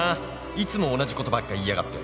「いつも同じことばっか言いやがって」